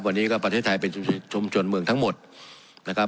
วันนี้ก็ประเทศไทยเป็นชุมชนเมืองทั้งหมดนะครับ